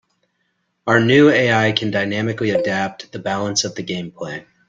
Our new AI can dynamically adapt the balance of the gameplay.